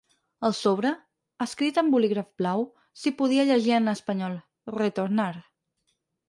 Al sobre, escrit amb bolígraf blau, s’hi podia llegir en espanyol: Retornar.